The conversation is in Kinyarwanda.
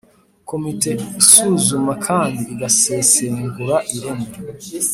Komite isuzuma kandi igasesengura ireme